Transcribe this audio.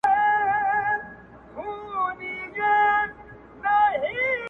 ګاونډیان خپلوان در یاد کړه بس همدغه راز پریږدي دي-